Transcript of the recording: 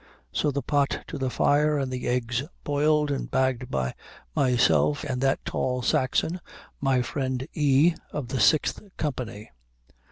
So the pot to the fire, and the eggs boiled, and bagged by myself and that tall Saxon, my friend E., of the Sixth Company.